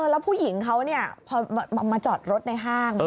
แล้วผู้หญิงเขาพอมาจอดรถในห้าง